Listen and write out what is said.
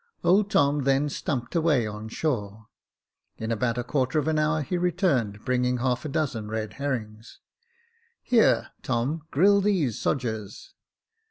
Old Tom then stumped away on shore. In about a quarter of an hour he returned, bringing half a dozen red herrings. " Here, Tom, grill these sodgers.